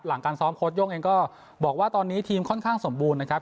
การซ้อมโค้ชโย่งเองก็บอกว่าตอนนี้ทีมค่อนข้างสมบูรณ์นะครับ